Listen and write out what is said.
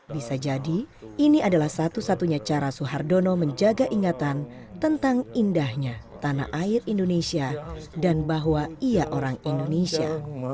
bisa jadi ini adalah satu satunya cara suhardono menjaga ingatan tentang indahnya tanah air indonesia dan bahwa ia orang indonesia